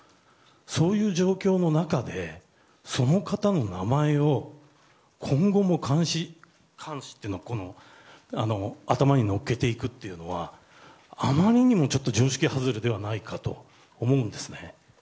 そういう状況の中でその方の名前を今後も冠して頭に乗っけていくというのはあまりにも常識外れではないかと思うんですね。